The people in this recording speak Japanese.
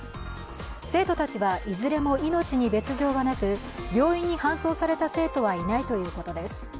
生徒たちはいずれも命に別状はなく病院に搬送された生徒はいないということです